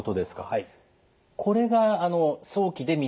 はい。